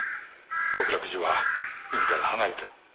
極楽寺は海から離れてる。